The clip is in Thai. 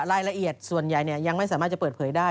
รายละเอียดส่วนใหญ่ยังไม่สามารถจะเปิดเผยได้